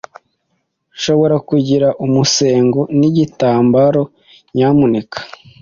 Nshobora kugira umusego nigitambaro, nyamuneka?